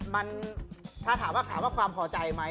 มันถ้าถามว่าความพอใจมั้ย